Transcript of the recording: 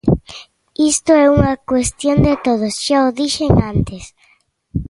Isto é unha cuestión de todos, xa o dixen antes.